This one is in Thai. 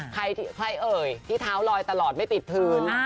ใครเอ่ยที่เท้าลอยตลอดไม่ติดพื้น